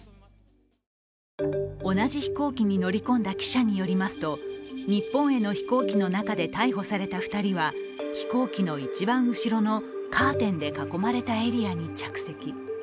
同じ飛行機に乗り込んだ記者によりますと日本への飛行機の中で逮捕された２人は飛行機の一番後ろのカーテンで囲まれたエリアに着席。